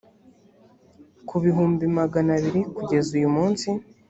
ku bihumbi magana abiri kugeza uyumunsi